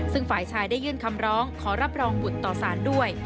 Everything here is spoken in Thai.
ซึ่งฝ่ายชายได้ยื่นคำร้องขอรับรองบุตรต่อสารด้วย